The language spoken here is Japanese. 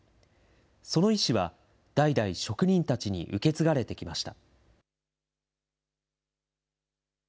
その意志は代々職人たちに受け継がれてきました。